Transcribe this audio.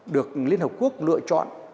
được liên hợp quốc lựa chọn